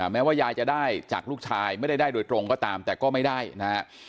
แม้ว่ายายจะได้จากลูกชายไม่ได้ได้โดยตรงก็ตามแต่ก็ไม่ได้นะฮะ